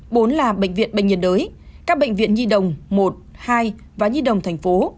bốn là bệnh viện bệnh nhiệt đới các bệnh viện nhi đồng một hai và nhi đồng thành phố